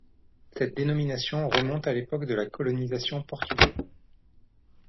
Cette dénomination remonte à l'époque de la colonisation portugaise.